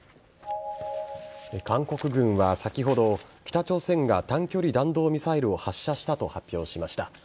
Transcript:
韓国軍は先ほど北朝鮮が短距離弾道ミサイルを発射したと発表しました。